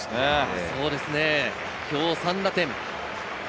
今日、３打点。